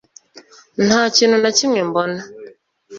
Nta kintu na kimwe mbona